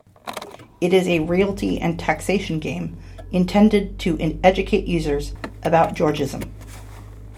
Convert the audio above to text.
It is a realty and taxation game intended to educate users about Georgism.